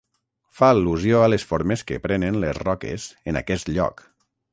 Fa al·lusió a les formes que prenen les roques en aquest lloc.